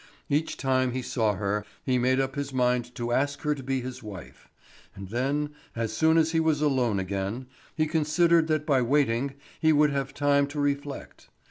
Each time he saw her he made up his mind to ask her to be his wife, and then, as soon as he was alone again, he considered that by waiting he would have time to reflect.